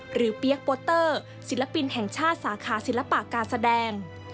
เปี๊ยกโปสเตอร์ศิลปินแห่งชาติสาขาศิลปะการแสดง